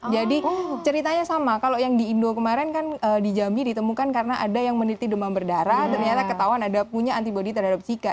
jadi ceritanya sama kalau yang di indo kemarin kan di jambi ditemukan karena ada yang meneliti demam berdarah ternyata ketahuan ada punya antibody terhadap zika